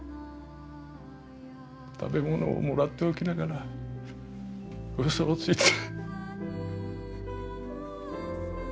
食べ物をもらっておきながらウソをついて。